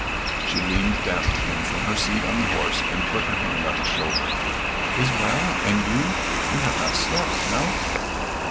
She leaned down to him from her seat on the horse and put her hand on his shoulder. "Is well? And you you have not slept? No?"